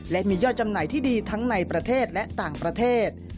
และมียอดจำหน่ายที่ดีทั้งในประเทศและต่างประเทศ